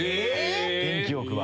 元気よくは。